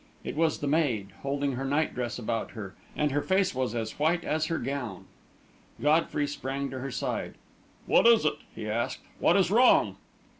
It was the maid, holding her night dress about her; and her face was as white as her gown. Godfrey sprang to her side. "What is it?" he asked. "What is wrong?"